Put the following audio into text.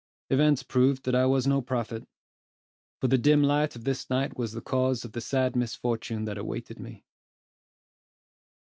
Events proved that I was no prophet; for the dim light of this night was the cause of the sad misfortune that awaited me.